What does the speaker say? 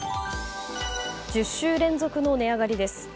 １０週連続の値上がりです。